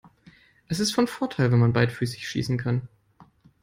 Es ist von Vorteil, wenn man beidfüßig schießen kann.